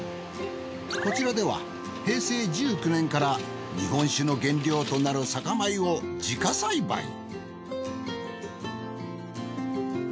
こちらでは平成１９年から日本酒の原料となる酒米を自家栽培。